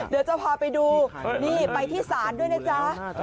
เดี๋ยวจะพาไปดูนี่ไปที่ศาลด้วยนะจ๊ะ